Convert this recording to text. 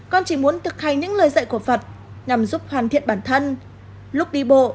con chỉ muốn thực hành những lời dạy của phật nhằm giúp hoàn thiện bản thân lúc đi bộ